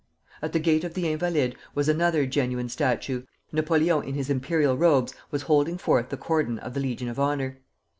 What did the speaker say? At the gate of the Invalides was another genuine statue, Napoleon in his imperial robes was holding forth the cordon of the Legion of Honor.